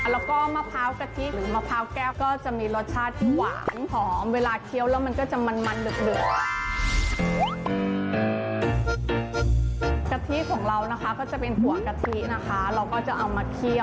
แล้วก็มะพร้าวกะทิหรือมะพร้าวกแก้วก็จะมีรสชาติหวานหอม